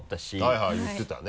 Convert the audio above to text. はいはい言ってたね。